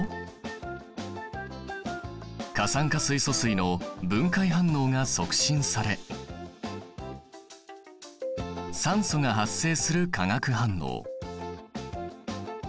過酸化水素水の分解反応が促進され酸素が発生する化学反応。